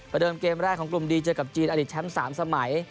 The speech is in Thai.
เดิมเกมแรกของกลุ่มดีเจอกับจีนอดิตแชมป์๓สมัย